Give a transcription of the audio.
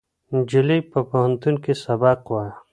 نجلۍ په پوهنتون کې سبق وایه.